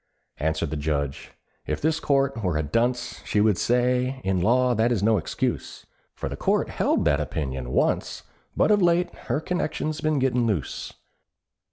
Answered the Judge, "If this Court were a dunce, She would say, in law that is no excuse; For the Court held that opinion once, But of late her connection's been gettin' loose.